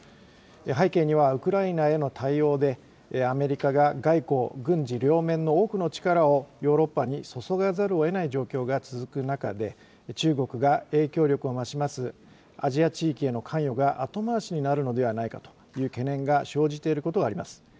背景には、ウクライナへの対応で、アメリカが外交・軍事両面の多くの力をヨーロッパに注がざるをえない状況が続く中で、中国が影響力を増しますアジア地域への関与が後回しになるのではないかとの懸念が生じていることがあります。